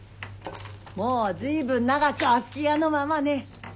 もうずいぶん長く空き家のままね。